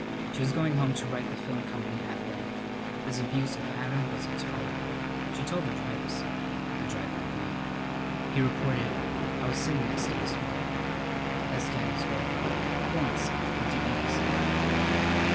She was going home to write the film company at length. This abuse of Adam was intolerable. She told the driver so. The driver agreed. He reported, "I was settin' next to Miss Webb." "That's Dammy's girl, Papa. Go on, Sam. What did Edie say?"